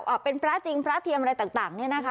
เป็นพระจริงพระเทียมอะไรต่างต่างเนี่ยนะคะ